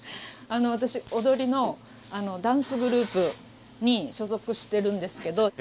私踊りのダンスグループに所属してるんですけど。